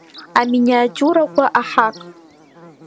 Аминиатиурақәа Аҳақ…